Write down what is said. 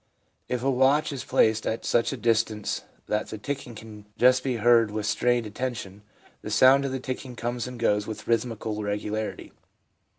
If a watch is placed at such a distance that the ticking can just be heard with strained attention, the sound of the ticking comes and goes with rhythmical regularity.